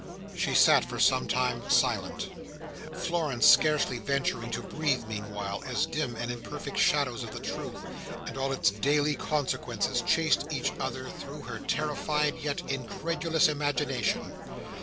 She sat for some time silent; Florence scarcely venturing to breathe meanwhile, as dim and imperfect shadows of the truth, and all its daily consequences, chased each other through her terrified, yet incredulous imagination.